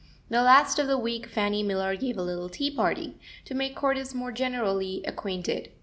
The last of the week Fanny Miller gave a little tea party, to make Cordis more generally acquainted.